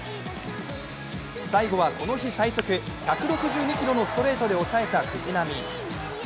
最後は、この日最速１６２キロのストレートで抑えた藤浪。